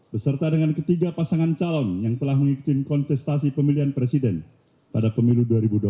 beserta dengan ketiga pasangan calon yang telah mengikuti kontestasi pemilihan presiden pada pemilu dua ribu dua puluh empat